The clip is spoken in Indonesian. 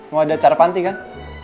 mau ada cara panti kan